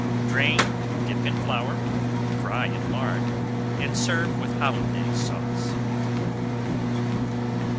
Drain, dip in flour, fry in lard, and serve with Hollandaise Sauce.